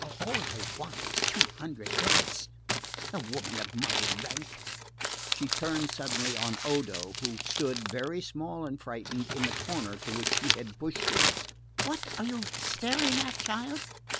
all I want is two hundred ducats...a woman of my rank!" She turned suddenly on Odo, who stood, very small and frightened, in the corner to which she had pushed him. "What are you staring at, child?